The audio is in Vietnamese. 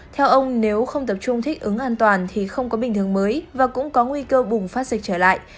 theo ông nếu không tập trung thích ứng an toàn thì không có bình thường mới và cũng có nguy cơ bùng phát dịch trở lại